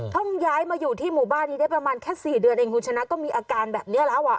ย้ายมาอยู่ที่หมู่บ้านนี้ได้ประมาณแค่๔เดือนเองคุณชนะก็มีอาการแบบนี้แล้วอ่ะ